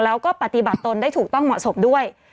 แล้วก็ปฏิบัติตนได้ถูกต้องเหมาะสมด้วย